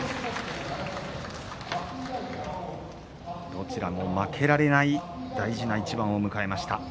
どちらも負けられない大事な一番を迎えました。